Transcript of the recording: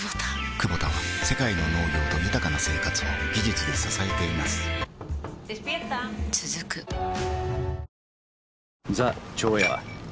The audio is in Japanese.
クボタは世界の農業と豊かな生活を技術で支えています起きて。